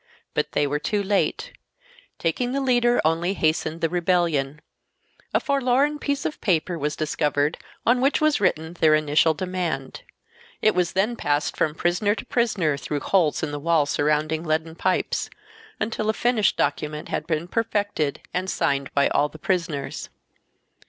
But they were too late. Taking the leader only hastened the rebellion. A forlorn piece of paper was discovered, on which was written their initial demand, It was then passed from prisoner to prisoner through holes in the wall surrounding leaden pipes, until a finished document had been perfected and signed by all the prisoners.